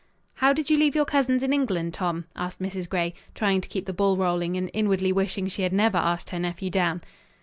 "How did you leave your cousins in England, Tom?" asked Mrs. Gray, trying to keep the ball rolling and inwardly wishing she had never asked her nephew down.